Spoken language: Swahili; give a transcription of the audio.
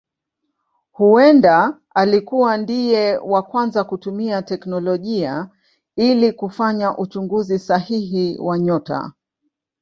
Huenda alikuwa ndiye wa kwanza kutumia teknolojia ili kufanya uchunguzi sahihi wa nyota.